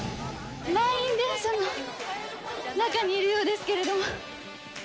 満員電車の中にいるようですけれども。